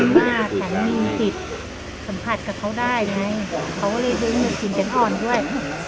มาถ้ามีติดสัมผัสกับเขาได้ไงเขาเลยดึงกลิ่นเป็นอ่อนด้วย